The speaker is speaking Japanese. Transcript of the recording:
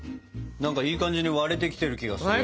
何かいい感じに割れてきてる気がするよ。